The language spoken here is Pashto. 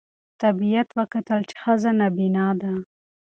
طبیب وکتل چي ښځه نابینا ده